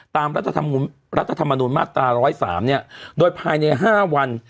ตามรัฐธรรมนุนมาตรา๑๐๓เนี่ยโดยภายใน๕วัน